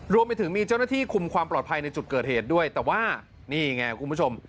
รวมไปถึงมีเจ้าหน้าที่คุมความปลอดภัยในจุดเกิดเหตุด้วยแต่ว่านี่ไงคุณผู้ชม